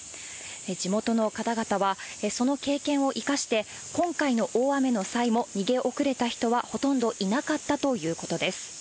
地元の方々は、その経験を生かして、今回の大雨の際も逃げ遅れた人はほとんどいなかったということです。